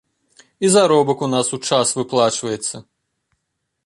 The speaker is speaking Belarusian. І заробак у нас ў час выплачваецца.